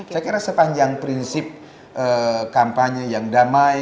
saya kira sepanjang prinsip kampanye yang damai